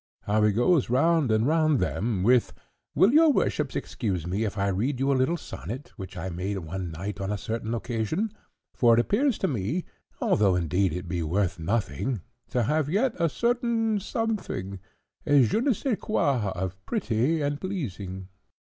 How he goes round and round them with—'Will your worships excuse me if I read you a little sonnet, which I made one night on a certain occasion; for it appears to me, although indeed it be worth nothing, to have yet a certain something—a je ne scai quoi of pretty, and pleasing.'